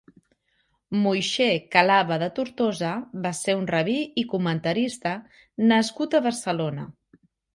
Moixé Khalava de Tortosa va ser un rabí i comentarista nascut a Barcelona.